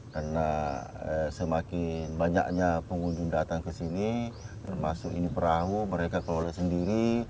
karena semakin banyaknya pengundung datang ke sini termasuk ini perahu mereka keluar sendiri